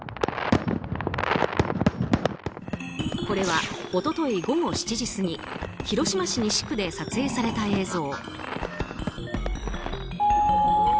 これは一昨日午後７時過ぎ広島市西区で撮影された映像。